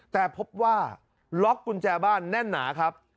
แต่พบว่าล็อกกุญแจบ้านแน่นหนาครับ